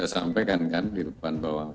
kita sampaikan kan di depan bahwa